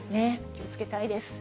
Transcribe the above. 気をつけたいです。